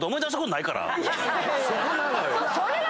そこなのよ！